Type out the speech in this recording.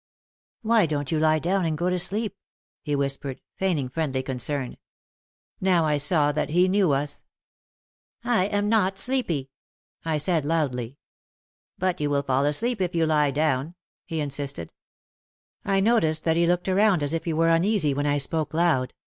"Why don't you lie down and go to sleep,' , he whis pered, feigning friendly concern. Now I saw that he knew us. "I am not sleepy," I said, loudly. OUT OF THE SHADOW 59 "But you will fall asleep if you lie down/' he insisted. I noticed that he looked around as if he were uneasy when I spoke loud.